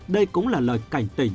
đây cũng là lời cảnh tỉnh